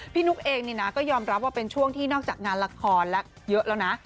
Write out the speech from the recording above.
นุ๊กเองเนี่ยนะก็ยอมรับว่าเป็นช่วงที่นอกจากงานละครแล้วเยอะแล้วนะ